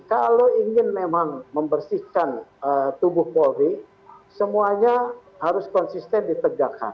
kalau ingin memang membersihkan tubuh polri semuanya harus konsisten ditegakkan